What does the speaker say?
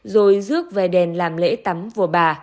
rồi rước về đền làm lễ tắm vua bà